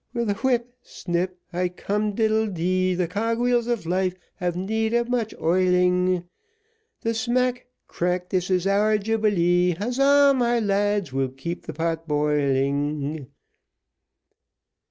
Chorus. With a whip, snip, high cum diddledy, The cog wheels of life have need of much oiling; Smack, crack this is our jubilee; Huzza my lads! we'll keep the pot boiling.